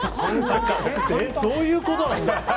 そういうことなんだ。